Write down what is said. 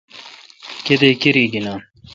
کتیک کرائ گینان؟